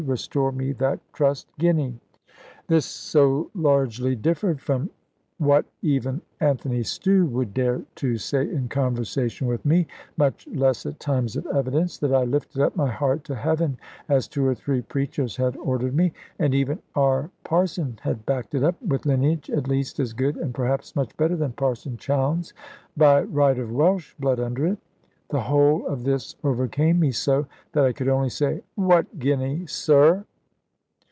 Restore me that trust guinea." This so largely differed from what even Anthony Stew would dare to say in conversation with me (much less at times of evidence), that I lifted up my heart to heaven, as two or three preachers had ordered me; and even our parson had backed it up, with lineage at least as good and perhaps much better than Parson Chowne's, by right of Welsh blood under it: the whole of this overcame me so, that I could only say, "What guinea, sir?"